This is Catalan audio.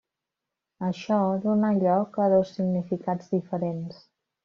Això dóna lloc a dos significats diferents.